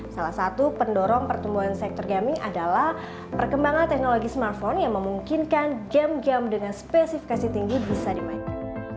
salah satu pendorong pertumbuhan sektor gaming adalah perkembangan teknologi smartphone yang memungkinkan game game dengan spesifikasi tinggi bisa dimainkan